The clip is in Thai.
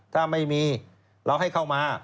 ถ้าไม่มีเราให้เข้ามา